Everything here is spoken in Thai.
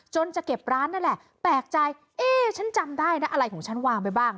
จะเก็บร้านนั่นแหละแปลกใจเอ๊ะฉันจำได้นะอะไรของฉันวางไปบ้าง